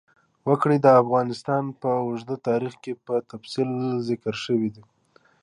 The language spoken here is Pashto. وګړي د افغانستان په اوږده تاریخ کې په تفصیل ذکر شوی دی.